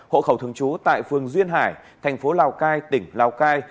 hộ khẩu thường trú tại phường duyên hải thành phố lào cai tỉnh lào cai